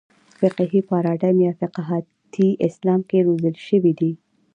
فقهي پاراډایم یا فقاهتي اسلام کې روزل شوي دي.